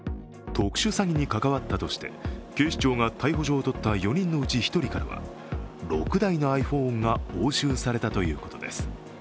特殊詐欺に関わったとして警視庁が逮捕状を取った４人のうち１人からは６台のｉＰｈｏｎｅが押収されたということです。